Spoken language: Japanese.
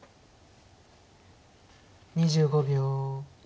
２５秒。